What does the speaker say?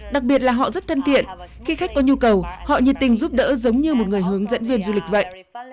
đặc biệt là họ rất thân thiện khi khách có nhu cầu họ nhiệt tình giúp đỡ giống như một người hướng dẫn viên du lịch vậy